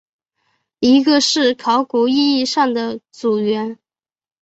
一个是考古意义上的族源。